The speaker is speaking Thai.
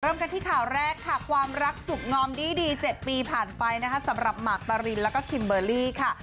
เริ่มกันที่ข่าวแรกค่ะความรักสุขงอมดี๗ปีผ่านไปนะคะสำหรับหมากปรินแล้วก็คิมเบอร์รี่ค่ะ